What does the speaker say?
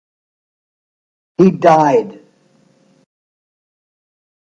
He died.